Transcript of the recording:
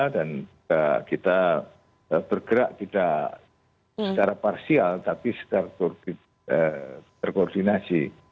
dan kita bergerak tidak secara parsial tapi secara terkoordinasi